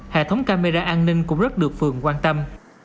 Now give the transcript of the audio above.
hệ thống camera an ninh cũng rất được phường quan tâm